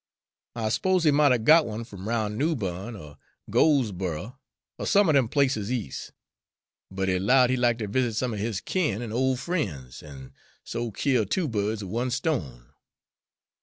I s'pose he mought 'a' got one f'm 'roun' Newbern, er Goldsboro, er some er them places eas', but he 'lowed he'd like to visit some er his kin an' ole frien's, an' so kill two birds with one stone."